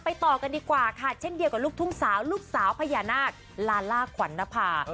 ต่อกันดีกว่าค่ะเช่นเดียวกับลูกทุ่งสาวลูกสาวพญานาคลาล่าขวัญนภา